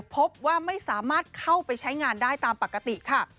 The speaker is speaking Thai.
พบว่าไม่สามารถเข้าไปใช้งานได้ตามปกติค่ะ